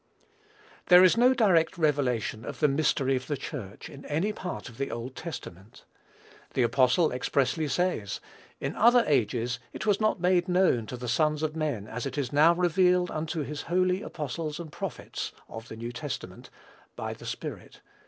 There is no direct revelation of the mystery of the Church, in any part of the Old Testament. The apostle expressly says, "in other ages it was not made known to the sons of men as it is now revealed unto his holy apostles and prophets (of the New Testament) by the Spirit."